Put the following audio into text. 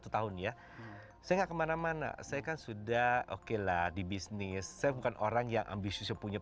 tahun ya saya kemana mana saya kan sudah okelah di bisnis saya bukan orang yang ambisius punya